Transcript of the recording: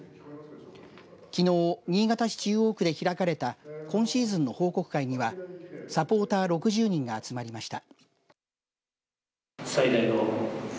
きのう、新潟市中央区で開かれた今シーズンの報告会にはサポーター６０人が集まりました。